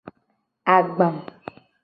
Agba.